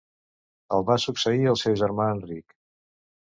El va succeir el seu germà Enric.